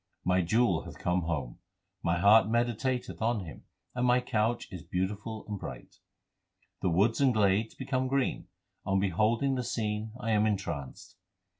My Jewel hath come home, my heart meditateth on Him, and my couch is beautiful and bright. The woods and glades become green ; 1 on beholding the scene I am entranced.